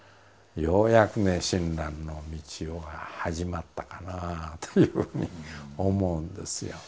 ようやくね親鸞の道が始まったかなあというふうに思うんですよ。